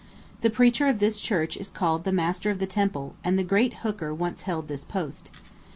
The preacher of this church is called the master of the Temple, and the great Hooker once held this post.